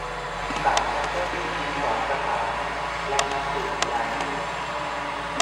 ศาลชั้นต้นได้ชี้สองสถานและนัดสืบพยานโจทก์